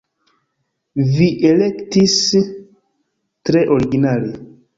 Vi elektis tre originale!